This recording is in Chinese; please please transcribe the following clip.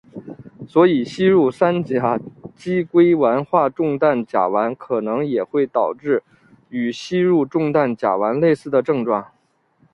所以吸入三甲基硅烷化重氮甲烷可能也会导致与吸入重氮甲烷类似的症状。